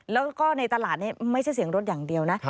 แล้วก็ในตลาดนี้ไม่ใช่เสียงรถอย่างเดียวนะ